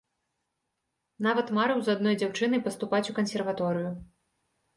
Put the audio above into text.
Нават марыў з адной дзяўчынай паступаць у кансерваторыю.